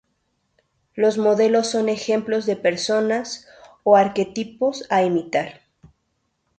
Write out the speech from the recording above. Los modelos son ejemplos de personas o arquetipos a imitar.